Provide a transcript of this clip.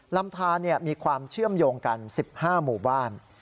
ลำทานมีความเชื่อมโยงกัน๑๕หมู่บ้าน